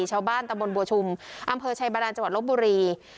ชาวบ้านตะบลบัวชุมอำเภอชายบรรยาณจัวร์ลบบุรี